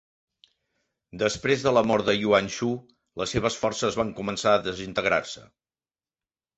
Després de la mort de Yuan Shu, les seves forces van començar a desintegrar-se.